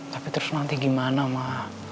tapi terus nanti gimana mah